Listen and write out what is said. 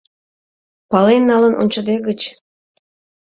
Пален налын ончыде гыч